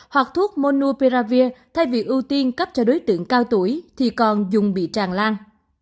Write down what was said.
hoặc thuốc monopiravir thay vì ưu tiên cấp cho đối tượng cao tuổi thì còn dùng bị tràn lan